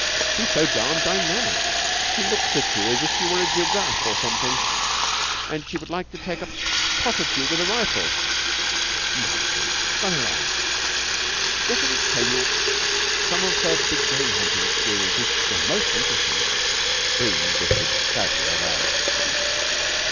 "She's so darned dynamic. She looks at you as if you were a giraffe or something and she would like to take a pot at you with a rifle." "Nonsense! Run along. Get her to tell you some of her big game hunting experiences. They are most interesting." Bream drifted sadly away.